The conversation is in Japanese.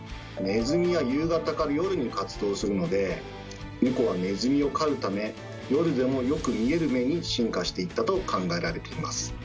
ネズミは夕方から夜に活動するのでネコはネズミを狩るため夜でもよく見える目に進化していったと考えられています。